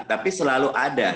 tapi selalu ada